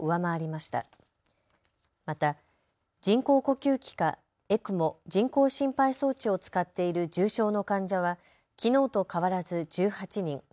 また人工呼吸器かＥＣＭＯ・人工心肺装置を使っている重症の患者はきのうと変わらず１８人。